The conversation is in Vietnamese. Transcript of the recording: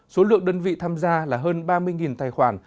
số lượng đơn vị tham gia là hơn ba mươi tài khoản